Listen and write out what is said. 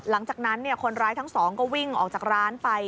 หลังจากนั้นคนร้ายทั้งสองก็วิ่งออกจากร้านไป